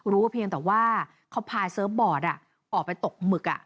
เพียงแต่ว่าเขาพาเซิร์ฟบอร์ดออกไปตกหมึก